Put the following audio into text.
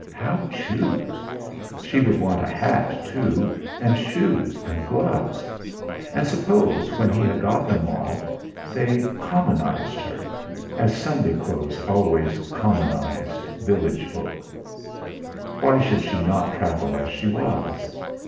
How choose? She would want a hat too, and shoes, and gloves; and, suppose, when he had got them all, they commonised her, as Sunday clothes always commonised village folk! Why should she not travel as she was?